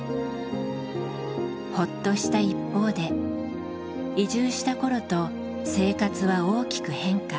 ほっとした一方で移住した頃と生活は大きく変化。